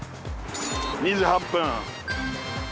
２時８分。